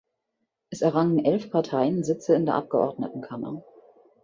Es errangen elf Parteien Sitze in der Abgeordnetenkammer.